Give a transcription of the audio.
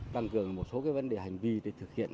đăng cường một số cái vấn đề hành vi để thực hiện